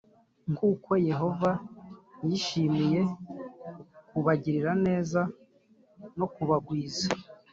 “nk’uko yehova yishimiye kubagirira neza no kubagwiza,